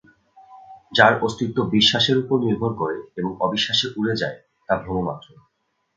যার অস্তিত্ব বিশ্বাসের উপর নির্ভর করে এবং অবিশ্বাসে উড়ে যায়, তা ভ্রমমাত্র।